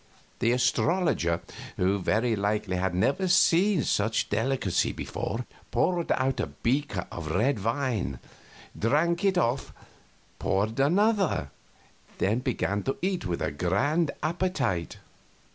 The astrologer, who very likely had never seen such delicacies before, poured out a beaker of red wine, drank it off, poured another, then began to eat with a grand appetite.